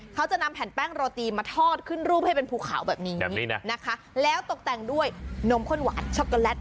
เขาจะนำแผ่นแป้งโรตีมาทอดขึ้นรูปให้เป็นภูเขาแบบนี้แบบนี้นะนะคะแล้วตกแต่งด้วยนมข้นหวานช็อกโกแลต